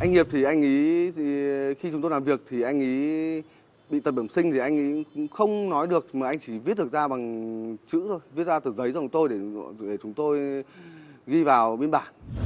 anh hiệp thì anh ý khi chúng tôi làm việc thì anh ý bị tật bẩm sinh thì anh ý không nói được mà anh ý chỉ viết được ra bằng chữ thôi viết ra từ giấy cho chúng tôi để chúng tôi ghi vào biên bản